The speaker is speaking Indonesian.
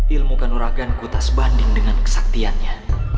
ilmukan uragan kutas banding dengan kesaktiannya